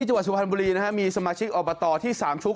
จังหวัดสุพรรณบุรีนะฮะมีสมาชิกอบตที่สามชุก